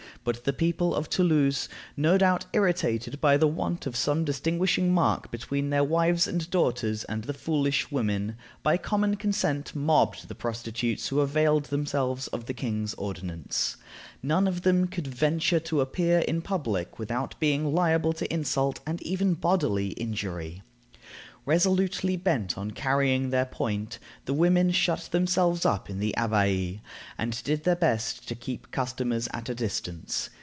But the people of Toulouse, no doubt irritated by the want of some distinguishing mark between their wives and daughters and the "foolish women," by common consent mobbed the prostitutes who availed themselves of the king's ordinance. None of them could venture to appear in public without being liable to insult, and even bodily injury. Resolutely bent on carrying their point, the women shut themselves up in the Abbaye, and did their best to keep customers at a distance.